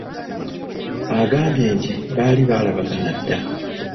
Agambye nti baali baalabagana dda!